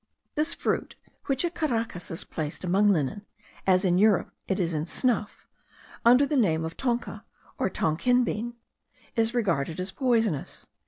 This fruit, which at Caracas is placed among linen, as in Europe it is in snuff, under the name of tonca, or Tonquin bean, is regarded as poisonous.